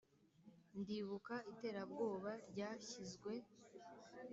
ndibuka iterabwoba ryashyizwe